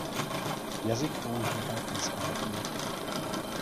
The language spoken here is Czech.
Jazyk používá písma latinky.